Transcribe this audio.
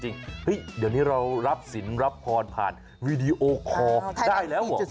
เดี๋ยวนี้เรารับสินรับพรผ่านวีดีโอคอร์ได้แล้วเหรอ